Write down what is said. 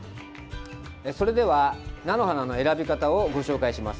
それでは、菜の花の選び方をご紹介します。